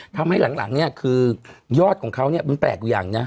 ทำให้หลังเนี่ยคือยอดของเขาเนี่ยมันแปลกอยู่อย่างนะ